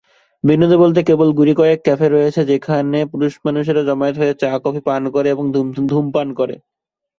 বিনোদন বলতে কেবল গুটিকয়েক ক্যাফে রয়েছে যেখানে পুরুষ মানুষরা জমায়েত হয়ে চা, কফি পান করে এবং ধূমপান করে।